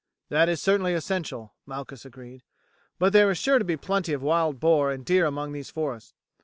"That is certainly essential," Malchus agreed; "but there is sure to be plenty of wild boar and deer among these forests.